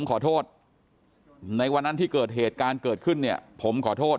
ขอโทษในวันนั้นที่เกิดเหตุการณ์เกิดขึ้นเนี่ยผมขอโทษ